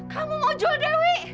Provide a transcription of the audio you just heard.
kamu mau jual dewi